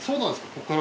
ここから。